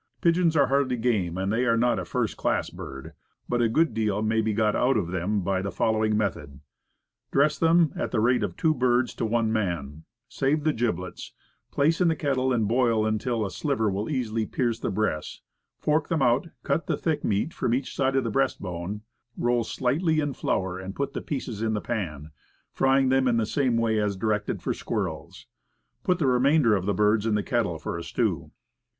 Pigeons are hardly game, and they are not a first class bird; but a good deal may be got out of them by the fol lowing method: Dress them, at the rate of two birds to one man; save the giblets; place in the kettle, and boil until the sliver will easily pierce the breast; fork them out, cut the thick meat from each side of the breast bone, roll slightly in flour, and put the pieces in the pan, frying them in the same way as directed for squirrels. Put the remainder of the birds in the kettle for a stew.